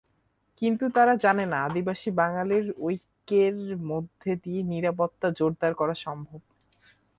কিন্তু তাঁরা জানেন না, আদিবাসী-বাঙালির ঐক্যের মধ্য দিয়েই নিরাপত্তা জোরদার করা সম্ভব।